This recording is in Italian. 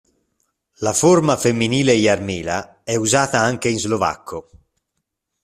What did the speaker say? La forma femminile "Jarmila" è usata anche in slovacco.